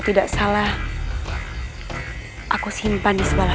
tidak ada penggunaan hidup pula